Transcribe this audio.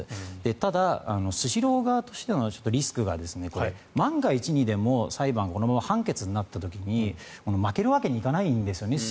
ただスシロー側としてのリスクがこれは万が一にでも裁判がこのまま判決になった時に負けるわけにはいかないんですよね。